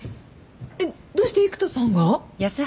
えっどうして育田さんが？